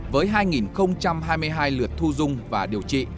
với hai hai mươi hai lượt thu dung và điều trị